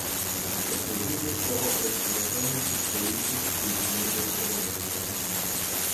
Как я вижу, слова просит уважаемый представитель Соединенного Королевства.